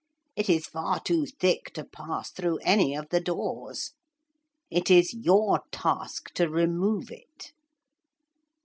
It is far too thick to pass through any of the doors. It is your task to remove it.'